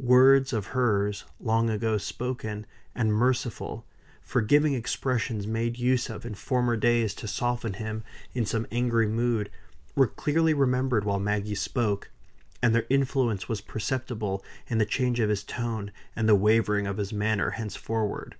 Words of hers, long ago spoken, and merciful, forgiving expressions made use of in former days to soften him in some angry mood, were clearly remembered while Maggie spoke; and their influence was perceptible in the change of his tone, and the wavering of his manner henceforward.